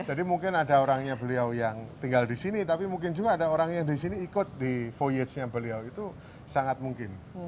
jadi mungkin ada orangnya beliau yang tinggal di sini tapi mungkin juga ada orangnya di sini ikut di voyage nya beliau itu sangat mungkin